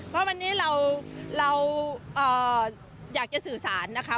เพราะวันนี้เราอยากจะสื่อสารนะคะ